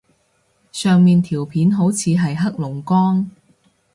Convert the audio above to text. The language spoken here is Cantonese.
上面條片好似係黑龍江